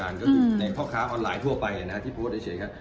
ในท่อค้าออนไลน์ทั่วไปเนี่ยนะฮะที่โปรดเฉยครับ